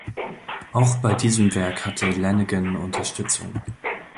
Auch bei diesem Werk hatte Lanegan Unterstützung.